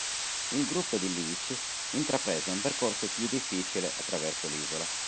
Il gruppo di Leech intraprese un percorso più difficile attraverso l'isola.